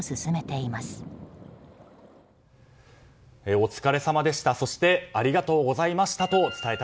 お疲れさまでした。